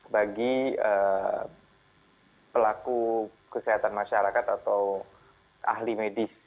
bagi pelaku kesehatan masyarakat atau ahli medis